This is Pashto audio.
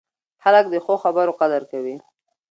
خلک د ښو خبرو قدر کوي